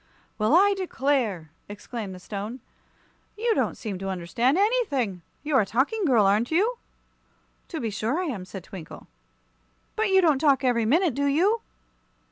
"Well, I declare!" exclaimed the Stone; "you don't seem to understand anything. You're a Talking Girl, are you not?" "To be sure I am," said Twinkle. "But you don't talk every minute, do you?"